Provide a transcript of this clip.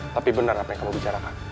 tapi benar apa yang kamu bicarakan